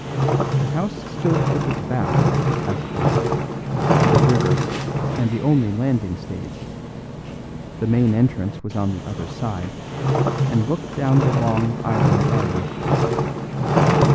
The house stood with its back, as it were, to the river and the only landing stage; the main entrance was on the other side, and looked down the long island garden.